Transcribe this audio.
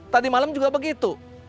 tadi malem juga begitu